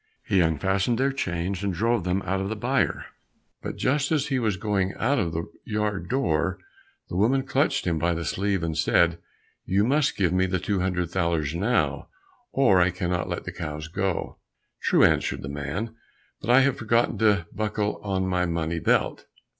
He unfastened their chains and drove them out of the byre, but just as he was going out of the yard door, the woman clutched him by the sleeve and said, "You must give me the two hundred thalers now, or I cannot let the cows go." "True," answered the man, "but I have forgotten to buckle on my money belt.